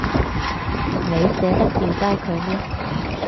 你捨得掉低佢咩？